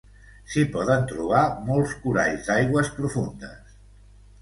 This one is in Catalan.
S'hi poden trobar molts coralls d'aigües profundes.